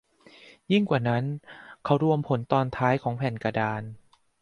ยิ่งกว่านั้น เขารวมผลตอนท้ายของแผ่นกระดาษ